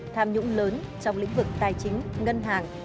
tham nhũng lớn trong lĩnh vực tài chính ngân hàng